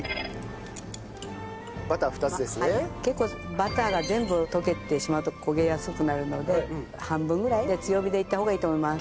バターが全部溶けてしまうと焦げやすくなるので半分ぐらいで強火でいった方がいいと思います。